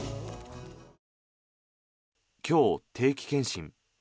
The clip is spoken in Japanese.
今日、定期検診。